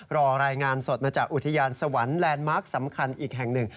รายงานสดมาจากอุทยานสวรรค์แลนด์มาร์คสำคัญอีกแห่งหนึ่ง